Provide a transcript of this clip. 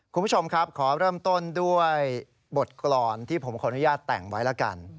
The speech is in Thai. คุณผู้ชมครับขอเริ่มต้นด้วยบทกรรมที่ผมขออนุญาตแต่งไว้แล้วกัน